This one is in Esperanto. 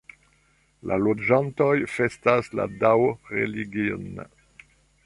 La loĝantoj festas la Dao-religion.